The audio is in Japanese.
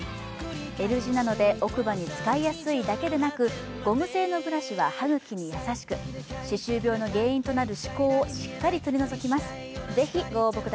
Ｌ字なので奥歯に使いやすいだけでなく、ゴム製のブラシは歯ぐきにやさしく歯周病の原因となる歯垢をしっかり取り除きます。